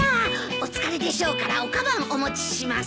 お疲れでしょうからおかばんお持ちします。